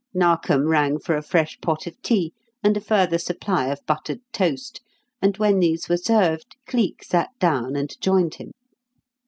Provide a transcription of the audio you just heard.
Narkom rang for a fresh pot of tea and a further supply of buttered toast, and, when these were served, Cleek sat down and joined him.